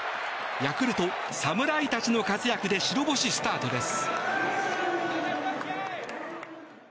ヤクルト、侍たちの活躍で白星スタートです。